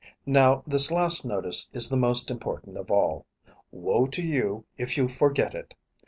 Now this last notice is the most important of all. Woe to you if you forget it!